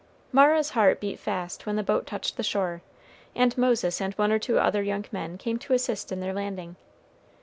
Mara's heart beat fast when the boat touched the shore, and Moses and one or two other young men came to assist in their landing.